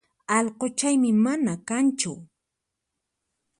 Allquchaymi mana kanchu